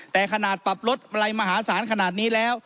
แต่ขนาดปรับลดอะไรมหาศาลขนาดนี้แล้ว